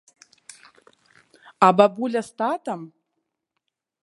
А бабуля з татам?